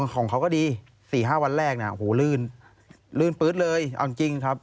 ของเขาก็ดีสี่ห้าวันแรกน่ะโหลื่นลื่นปื๊ดเลยเอาจริงจริงครับ